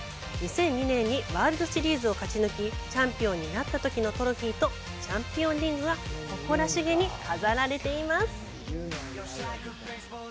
２００２年にワールドシリーズを勝ち抜き、チャンピオンになったときのトロフィーとチャンピオンリングが誇らしげに飾られています。